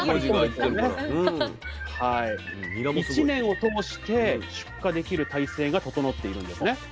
１年を通して出荷できる体制が整っているんですね。